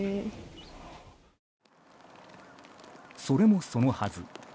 それもそのはず。